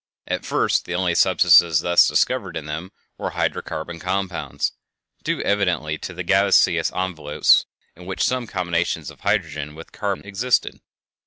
At first the only substances thus discovered in them were hydro carbon compounds, due evidently to the gaseous envelopes in which some combination of hydrogen with carbon existed.